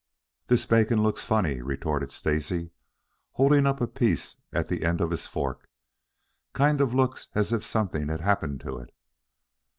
"This bacon looks funny," retorted Stacy, holding up a piece at the end of his fork. "Kind of looks as if something had happened to it."